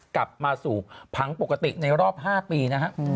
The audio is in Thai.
กลับมาสู่ผังปกติในรอบ๕ปีนะฮะ